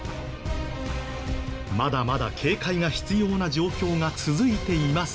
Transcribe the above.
まだまだ警戒が必要な状況が続いていますが。